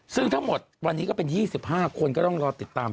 ซึ่งทั้งหมดวันนี้ก็เป็น๒๕คนก็ต้องรอติดตาม